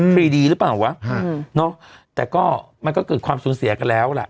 รีดีหรือเปล่าวะเนาะแต่ก็มันก็เกิดความสูญเสียกันแล้วล่ะ